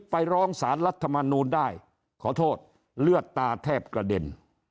ไปร้องสารรัฐมนูลได้ขอโทษเลือดตาแทบกระเด็น